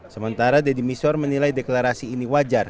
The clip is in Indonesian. sementara deddy misor menilai deklarasi ini wajar